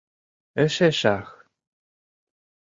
Эше шах...